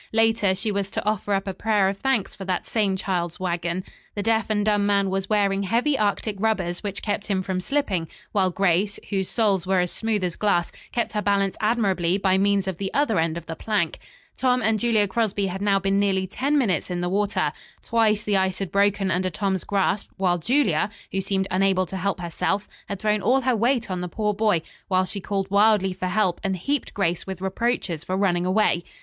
Later she was to offer up a prayer of thanks for that same child's wagon. The deaf and dumb man was wearing heavy Arctic rubbers, which kept him from slipping; while Grace, whose soles were as smooth as glass, kept her balance admirably by means of the other end of the plank. Tom and Julia Crosby had now been nearly ten minutes in the water. Twice the ice had broken under Tom's grasp, while Julia, who seemed unable to help herself, had thrown all her weight on the poor boy, while she called wildly for help and heaped Grace with reproaches for running away.